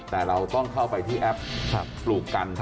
แต่เราต้องเข้าไปที่แอปปลูกกัน